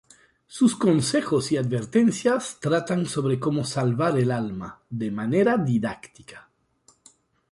Sus consejos y advertencias tratan sobre cómo salvar el alma, de manera didáctica.